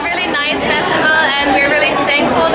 ini adalah festival yang sangat baik dan kami sangat berterima kasih